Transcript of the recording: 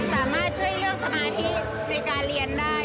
สามารถช่วยเลือกสมาธิในการเรียนได้